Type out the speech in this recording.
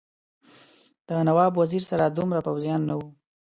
د نواب وزیر سره دومره پوځیان نه وو.